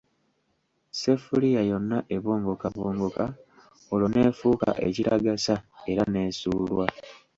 Sseffuliya yonna ebongokabongoka, olwo n'efuuka ekitagasa era n'esuulwa!